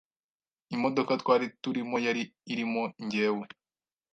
imodoka twari turimo yari irimo njyewe